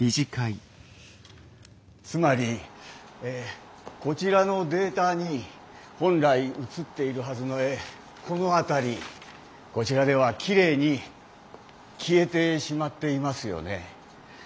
つまりこちらのデータに本来映っているはずのこの辺りこちらではきれいに消えてしまっていますよね。